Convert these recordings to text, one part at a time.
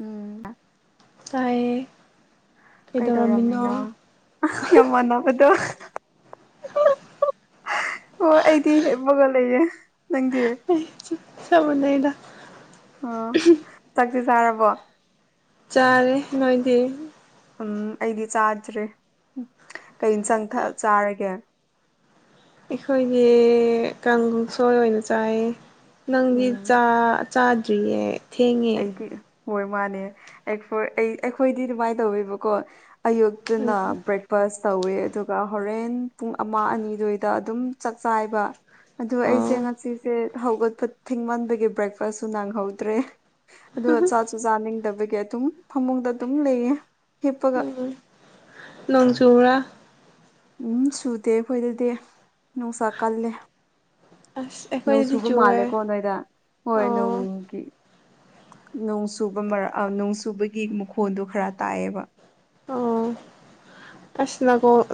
ꯎꯝ ꯇꯥꯏꯌꯦ꯫ ꯀꯩꯗꯧꯔꯝꯃꯤꯅꯣ ꯑꯥ ꯌꯥꯝ ꯃꯥꯟꯅꯕꯗꯣ꯫ ꯑꯣ ꯑꯩꯗꯤ ꯍꯤꯞꯄꯒ ꯂꯩꯌꯦ ꯅꯪꯗꯤ꯫ ꯑꯩ꯫ ꯆꯞ ꯃꯥꯅꯩꯌ‌ꯦꯗ ꯫ ꯑꯣ ꯆꯥꯛꯇꯤ ꯆꯥꯔꯕꯣ꯫ ꯆꯥꯔꯦ ꯅꯣꯏꯗꯤ꯫ ꯎꯝ ꯑꯩꯗꯤ ꯆꯥꯗ꯭ꯔꯤ ꯀꯩ ꯏꯟꯁꯥꯡ ꯊꯛ ꯆꯥꯔꯒꯦ꯫ ꯑꯈꯣꯏꯒꯤ ꯀꯥꯡꯁꯣꯏ ꯑꯣꯏꯅ ꯆꯥꯏꯌ‌ꯦ ꯅꯪꯗꯤ ꯎꯝ ꯆꯥ꯫ ꯆꯥꯗ꯭ꯔꯤꯌꯦ꯫ ꯊꯦꯡꯉꯦ ꯑꯩꯗꯤ ꯍꯣꯏ ꯃꯥꯅꯦ ꯑꯩ ꯑꯩ ꯑꯩꯈꯣꯏꯗꯤ ꯑꯗꯨꯃꯥꯏꯅ ꯇꯧꯋꯦꯕꯀꯣ ꯑꯌꯨꯛ꯫ ꯗꯨꯅ꯫ ꯎꯝ ꯕꯁ ꯇꯧꯋ‌ꯦ ꯑꯗꯨꯒ ꯍꯣꯔꯦꯟ ꯄꯨꯡ ꯑꯃ ꯑꯅꯤꯗꯨꯏꯗ ꯑꯗꯨꯝ ꯆꯥꯛ ꯆꯥꯏꯌ‌ꯦꯕ꯫ ꯑꯗ ꯑꯩꯁꯦ ꯑꯣ ꯉꯁꯤꯁꯦ ꯍꯧꯒꯠꯄ ꯊꯤꯡꯃꯟꯕꯒꯤ ꯕ꯭ꯔꯦꯛꯐꯥꯁꯁꯨ ꯅꯥꯡꯍꯧꯗ꯭ꯔꯦ꯫ ꯑꯗꯨꯒ ꯆꯥꯁꯨ ꯆꯥꯅꯤꯡꯗꯕꯒꯤ ꯑꯗꯨꯝ ꯐꯃꯨꯡꯗ ꯑꯗꯨꯝ ꯂꯩꯌꯦ ꯍꯤꯞꯄꯒ꯫ ꯅꯣꯡꯆꯨꯕ꯭ꯔꯥ꯫ ꯎꯝ ꯁꯨꯗꯦ ꯑꯩꯈꯣꯏꯗꯗꯤ ꯅꯨꯡꯁꯥ ꯀꯜꯂꯦ ꯑꯁ ꯅꯣꯡ ꯑꯩꯈꯣꯏꯗꯗꯤ ꯁꯨꯕ ꯆꯨꯋꯦ ꯃꯥꯜꯂꯦꯀꯣ ꯅꯣꯏꯗ ꯍꯣꯏ ꯑꯣ ꯅꯣꯡꯒꯤ ꯅꯣꯡ ꯁꯨꯕ ꯃꯔ ꯅꯣꯡ ꯁꯨꯕꯒꯤ ꯃꯈꯣꯟꯗꯣ ꯈꯔ ꯇꯥꯏꯑꯕ ꯑꯣ ꯑꯁ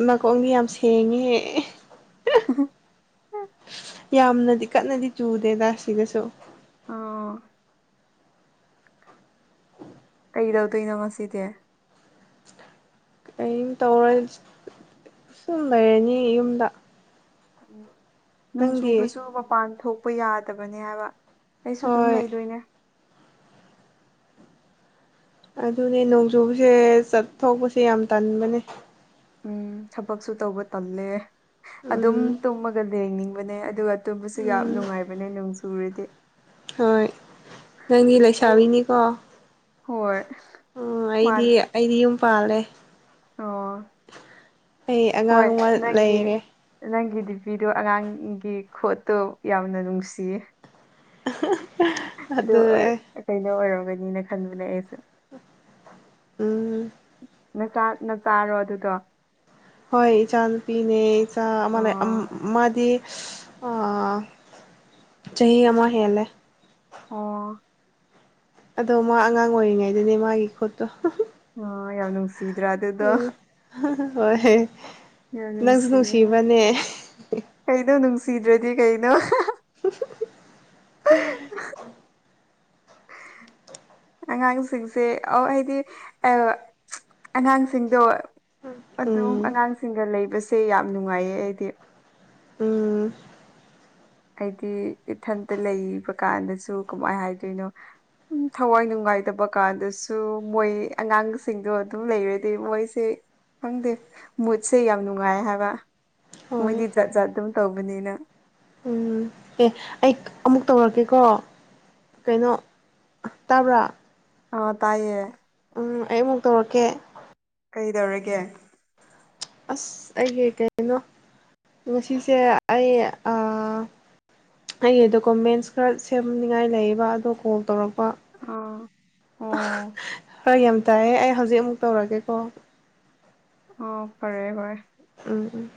ꯅꯥꯀꯣꯡꯗꯤ ꯌꯥꯝ ꯁꯦꯡꯉꯦꯍꯦ ꯎꯝ ꯌꯥꯝꯅꯗꯤ ꯀꯟꯅꯗꯤ ꯆꯨꯗꯦꯗ ꯁꯤꯗꯁꯨ ꯑꯥ ꯀꯩꯗꯧꯗꯣꯏꯅꯣ ꯃꯁꯤꯁꯤꯗꯤ ꯇꯧꯔ ꯁꯨꯝ ꯂꯩꯔꯅꯤ ꯌꯨꯝꯗ ꯅꯣꯡ ꯅꯪꯗꯤ ꯆꯨꯕꯁꯨ ꯃꯄꯥꯟ ꯊꯣꯛꯄ ꯌꯥꯗꯕꯅꯦ ꯍꯥꯏꯕ ꯑꯩꯁꯨ ꯑꯗꯨꯝ ꯍꯣꯏ ꯂꯩꯗꯣꯏꯅꯦ ꯑꯗꯨꯅꯦ ꯅꯣꯡꯖꯨꯁꯦ ꯆꯠꯊꯣꯛꯄꯁꯦ ꯌꯥꯝ ꯇꯟꯕꯅꯦ ꯎꯝ ꯊꯕꯛꯁꯨ ꯇꯧꯕ ꯇꯜꯂꯦ꯫ ꯑꯗꯨꯝ ꯎꯝ ꯇꯨꯝꯃꯒ ꯂꯦꯡꯅꯤꯡꯕꯅꯦ ꯑꯗꯨꯒ ꯇꯨꯝꯕꯁꯨ ꯌꯥꯝ ꯎꯝ ꯅꯨꯡꯉꯥꯏꯕꯅꯦ ꯅꯣꯡ ꯆꯨꯔꯗꯤ꯫ ꯍꯣꯏ ꯅꯪꯗꯤ ꯑꯩ ꯂꯩꯁꯥꯕꯤꯅꯤꯀꯣ꯫ ꯍꯣꯏ꯫ ꯎꯝ ꯃꯥꯅꯦ ꯑꯩꯗꯤ ꯑꯩꯗꯤ ꯌꯨꯝ ꯄꯥꯜꯂꯦ꯫ ꯑꯣ ꯑꯩ ꯑꯉꯥꯡ ꯍꯣꯏ ꯑꯃ ꯂꯩꯔꯦ꯫ ꯅꯪꯒꯤ ꯅꯪꯒꯤ ꯗꯤꯄꯤꯗꯣ ꯑꯉꯥꯡꯒꯤ ꯈꯣꯠꯇꯣ ꯌꯥꯝꯅ ꯅꯨꯡꯁꯤꯌꯦ꯫ ꯫ ꯑꯗꯨ ꯀꯩꯅꯣ ꯑꯣꯏꯔꯝꯒꯅꯤꯅ ꯈꯟꯕꯅꯦ ꯑꯩꯁꯨ꯫ ꯎꯝ꯫ ꯅꯆꯥ ꯅꯆꯥꯔꯣ ꯑꯗꯨꯗꯣ꯫ ꯍꯣꯏ ꯆꯥꯅ ꯄꯤꯅꯦ ꯆ ꯑꯃ ꯑꯣ ꯃꯥꯗꯤ ꯑ ꯆꯍꯤ ꯑꯃ ꯍꯦꯜꯂꯦ ꯑꯣ ꯑꯗꯣ ꯃꯥ ꯑꯉꯥꯡ ꯑꯣꯏꯔꯤꯉꯩꯗꯨꯅꯦ ꯃꯥꯒꯤ ꯈꯨꯣꯠꯇꯣ ꯑ ꯌꯥꯎ ꯅꯨꯡꯁꯤꯗ꯭ꯔꯥ ꯑꯗꯨꯗ ꯍꯣꯏꯣꯏ ꯌꯥꯝ ꯅꯪꯁꯨ ꯅꯨꯡꯁꯤꯌꯦ ꯍꯣꯏ ꯅꯨꯡꯁꯤꯕꯅꯦ ꯀꯩꯅꯣ ꯅꯨꯡꯁꯤꯗ꯭ꯔꯗꯤ ꯀꯩꯅꯣ [unintelligible] ꯑꯉꯥꯡꯁꯤꯡꯁꯦ ꯑꯧ ꯍꯥꯏꯗꯤ ꯑꯉꯥꯡꯁꯤꯡꯗꯣ ꯑꯗꯨꯝ ꯎꯝ ꯑꯉꯥꯡꯁꯤꯡꯒ ꯂꯩꯕꯁꯦ ꯌꯥꯝ ꯅꯨꯡꯉꯥꯏꯌꯦ ꯑꯩꯗꯤ ꯎꯝ ꯍꯥꯏꯗꯤ ꯏꯊꯟꯇ ꯂꯩꯕ ꯀꯥꯟꯗꯁꯨ ꯀꯃꯥꯏ ꯍꯥꯏꯗꯣꯏꯅꯣ ꯊꯋꯥꯏ ꯅꯨꯡꯉꯥꯏꯇꯕ ꯀꯥꯟꯗꯁꯨ ꯃꯣꯏ ꯑꯉꯥꯡꯁꯤꯡꯗꯣ ꯑꯗꯨꯝ ꯂꯩꯔꯗꯤ ꯃꯣꯏꯁꯦ ꯈꯪꯗꯦ ꯃꯨꯠꯁꯦ ꯌꯥꯝ ꯅꯨꯡꯉꯥꯏ ꯍꯥꯏꯕ ꯍꯣꯏ ꯃꯣꯏꯗꯤ ꯖꯥꯠ ꯖꯥꯠ ꯑꯗꯨꯝ ꯇꯧꯕꯅꯤꯅ ꯎꯝ ꯑꯦ ꯑꯩ ꯑꯃꯨꯛ ꯇꯧꯔꯛꯀꯦꯀꯣ ꯀꯩꯅꯣ ꯇꯥꯕ꯭ꯔꯥ ꯑ ꯇꯥꯏꯌꯦ ꯎꯝ ꯑꯩ ꯑꯃꯨꯛ ꯇꯧꯔꯛꯀꯦ ꯀꯩꯗꯧꯔꯒꯦ ꯑꯁ ꯑꯩꯒꯤ ꯀꯩꯅꯣ ꯉꯁꯤꯁꯦ ꯑꯩ ꯑꯩꯒꯤ ꯗꯣꯀꯨꯃꯦꯟꯁ ꯈꯔ ꯁꯦꯝꯅꯤꯡꯉꯥꯏ ꯂꯩꯌꯦꯕ ꯑꯗꯣ ꯀꯣꯜ ꯇꯧꯔꯛꯄ ꯑꯥ ꯑꯣ ꯍꯣꯏ ꯌꯥꯝ ꯇꯥꯏꯌꯦ ꯑꯩ ꯍꯧꯖꯤꯛ ꯑꯃꯨꯛ ꯇꯧꯔꯒꯦꯀꯣ ꯑꯣ ꯐꯔꯦ ꯐꯔꯦ ꯎꯝ ꯎꯝ